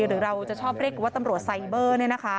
หรือเราจะชอบเรียกว่าตำรวจไซเบอร์